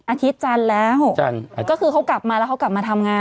อาทิตย์จันทร์แล้วจันทร์ก็คือเขากลับมาแล้วเขากลับมาทำงาน